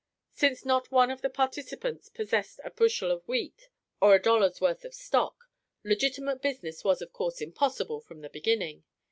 Since not one of the participants possessed a bushel of wheat or a dollar's worth of stock, legitimate business was of course impossible from the beginning.